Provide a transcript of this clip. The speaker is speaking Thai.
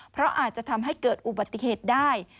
เพราะอาจจะทำให้เกิดอุบัติเหตุได้